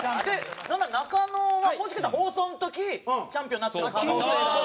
なんなら中野はもしかしたら放送の時チャンピオンになってる可能性がある。